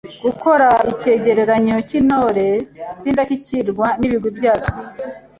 Gukora icyegeranyo cy’Intore z’indashyikirwa n’ibigwi byazo